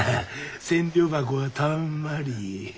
千両箱がたんまり。